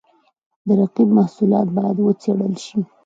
د رقیب محصولات باید وڅېړل شي.